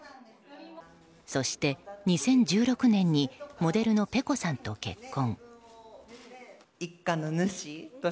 そして、２０１６年にモデルのｐｅｃｏさんと結婚。